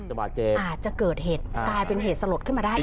จะบาดเจ็บอาจจะเกิดเหตุกลายเป็นเหตุสลดขึ้นมาได้